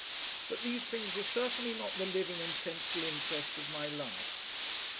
But these things were certainly not the living and central interests of my life.